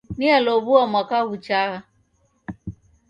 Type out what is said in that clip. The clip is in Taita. Nialow'ua mwaka ghuchagha